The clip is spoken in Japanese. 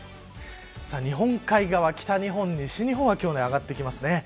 日本海側、北日本、西日本は今日は上がってきます。